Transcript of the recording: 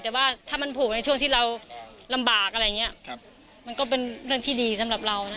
แต่ว่าถ้ามันผูกในช่วงที่เราลำบากอะไรอย่างนี้มันก็เป็นเรื่องที่ดีสำหรับเรานะ